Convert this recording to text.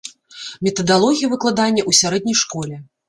Метадалогія выкладання ў сярэдняй школе.